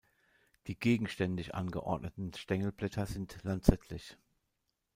Die gegenständig angeordneten Stängelblätter sind lanzettlich.